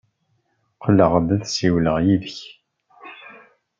Qqleɣ-d ad ssiwleɣ yid-k.